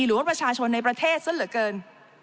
หรือว่าประชาชนในประเทศซะเหลือเกิน